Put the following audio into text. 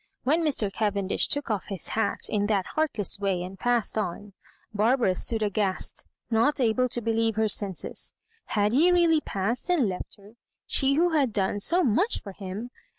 When Mr. Cavendish took off his hat in that heartless way and passed on, Barbara stood aghast, not able to believe her senses. Had he really passed and left her, she who had done so much for him